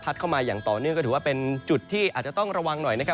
เข้ามาอย่างต่อเนื่องก็ถือว่าเป็นจุดที่อาจจะต้องระวังหน่อยนะครับ